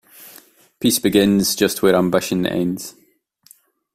Peace begins just where ambition ends.